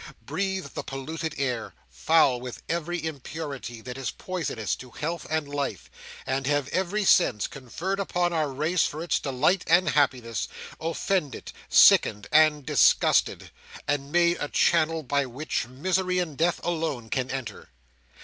Breathe the polluted air, foul with every impurity that is poisonous to health and life; and have every sense, conferred upon our race for its delight and happiness, offended, sickened and disgusted, and made a channel by which misery and death alone can enter.